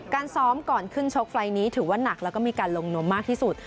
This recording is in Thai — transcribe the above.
ซ้อมก่อนขึ้นชกไฟล์นี้ถือว่าหนักแล้วก็มีการลงนมมากที่สุด